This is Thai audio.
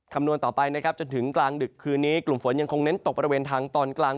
คำนวณต่อไปนะครับจนถึงกลางดึกคืนนี้กลุ่มฝนยังคงเน้นตกบริเวณทางตอนกลาง